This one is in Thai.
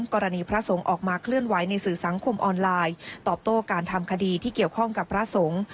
พระสงฆ์ออกมาเคลื่อนไหวในสื่อสังคมออนไลน์ตอบโต้การทำคดีที่เกี่ยวข้องกับพระสงฆ์